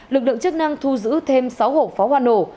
lực lượng chức năng thu giữ thêm sáu hộp pháo hoa nổ